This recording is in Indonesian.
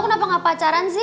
kenapa gak pacaran sih